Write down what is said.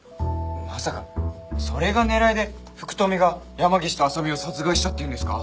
まさかそれが狙いで福富が山岸と浅見を殺害したっていうんですか？